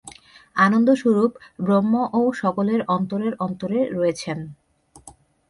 আনন্দস্বরূপ ব্রহ্মও সকলের অন্তরের অন্তরে রয়েছেন।